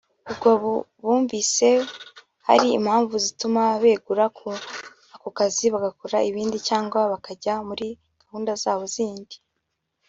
ubwo bumvise hari impamvu zituma begura kuri ako kazi bagakora ibindi cyangwa bakajya muri gahunda zabo zindi